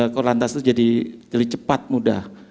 korlantas itu jadi cepat mudah